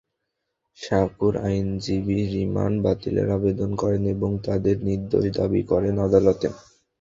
সাকুর আইনজীবী রিমান্ড বাতিলের আবেদন করেন এবং তাঁকে নির্দোষ দাবি করেন আদালতে।